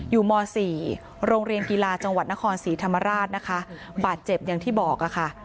มสี่โรงเรียนกีฬาจังหวัดนครศรีธรรมราชนะคะบาดเจ็บอย่างที่บอกค่ะ